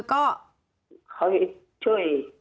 เขาจะช่วย